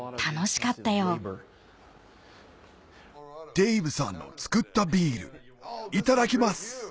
デイブさんの造ったビールいただきます